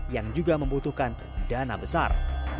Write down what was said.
yang juga membutuhkan dana besar